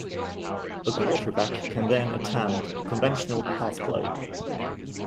The quarterback can then attempt a conventional pass play.